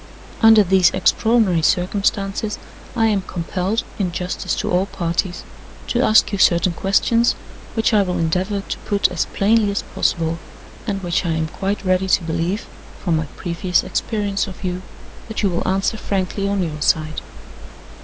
"Under these extraordinary circumstances, I am compelled, in justice to all parties, to ask you certain questions which I will endeavor to put as plainly as possible, and which I am quite ready to believe (from my previous experience of you) that you will answer frankly on your side.